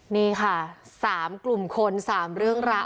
นี่ค่ะ๓กลุ่มคน๓เรื่องราว